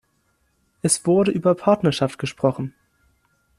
Es wurde über Partnerschaft gesprochen.